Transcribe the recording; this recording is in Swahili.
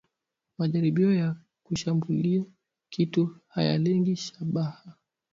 Majaribio ya kushambulia kitu hayalengi shabaha